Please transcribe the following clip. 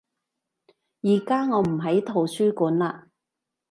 而家我唔喺圖書館嘞